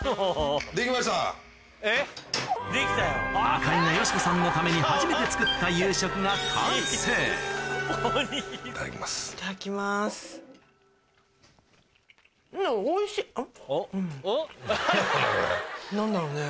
赤井が佳子さんのために初めて作った夕食が完成何だろうね。